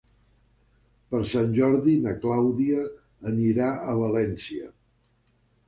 Per Sant Jordi na Clàudia anirà a València.